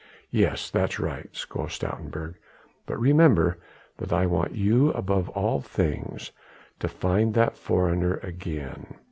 "Yes. That is right," quoth Stoutenburg, "but remember that I want you above all things to find that foreigner again.